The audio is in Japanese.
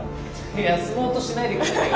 いや住もうとしないで下さいよ！